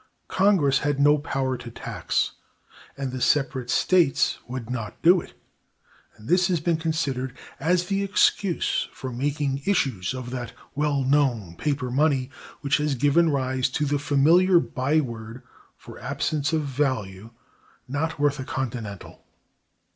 Congress had no power to tax, and the separate States would not do it; and this has been considered as the excuse for making issues of that well known paper money, which has given rise to the familiar by word for absence of value, "not worth a Continental."